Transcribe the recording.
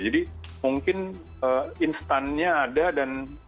jadi mungkin instannya ada dan